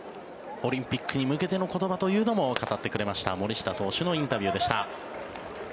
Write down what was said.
オリンピックに向けての言葉というのも語ってくれました森下投手のインタビューでした。